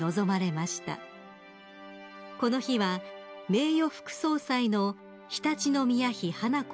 ［この日は名誉副総裁の常陸宮妃華子